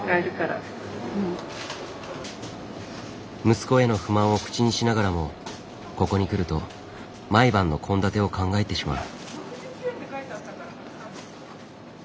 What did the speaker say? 息子への不満を口にしながらもここに来ると毎晩の献立を考えてしまう。